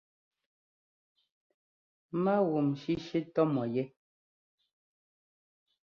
Mágúm shíshí tɔ́ mɔ yɛ́.